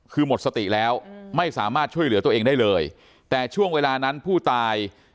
คือหมดสติแล้วไม่สามารถช่วยเหลือตัวเองได้เลยแต่ช่วงเวลานั้นผู้ตาย